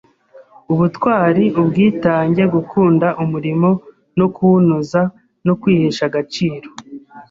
Ubutwari, Ubwitange, Gukunda umurimo no kuwunoza no kwihesha agaciro.